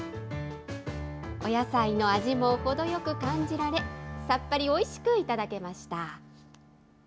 お野菜の味も程よく感じられ、さっぱりおいしく頂けました。